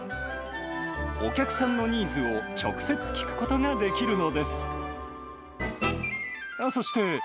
お客さんのニーズを直接聞くことができるのです。